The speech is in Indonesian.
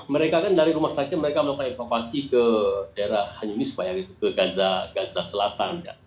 mereka kan dari rumah sakit mereka melakukan evakuasi ke daerah hanya ini supaya ke gaza selatan